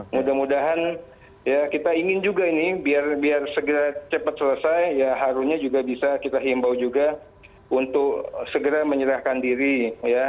mudah mudahan ya kita ingin juga ini biar segera cepat selesai ya harunya juga bisa kita himbau juga untuk segera menyerahkan diri ya